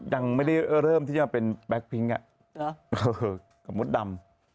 ยังไม่ได้เริ่มที่มันเป็นแบล็คพลิงซ์น่ะกระมวดดำ